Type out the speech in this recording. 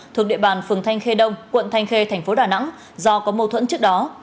thuộc địa bàn phường thanh khê đông quận thanh khê thành phố đà nẵng do có mâu thuẫn trước đó